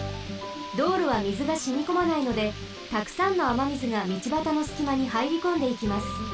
道路はみずがしみこまないのでたくさんのあまみずが道ばたのすきまにはいりこんでいきます。